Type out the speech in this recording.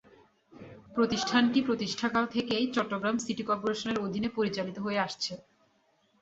প্রতিষ্ঠানটি প্রতিষ্ঠাকাল থেকেই চট্টগ্রাম সিটি কর্পোরেশনের অধীনে পরিচালিত হয়ে আসছে।